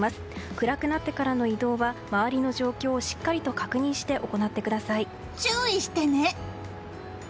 暗くなってからの移動は周りの状況をしっかりと確認して注意してね！